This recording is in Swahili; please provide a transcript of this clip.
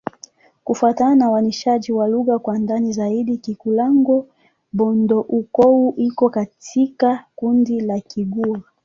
Kufuatana na uainishaji wa lugha kwa ndani zaidi, Kikulango-Bondoukou iko katika kundi la Kigur.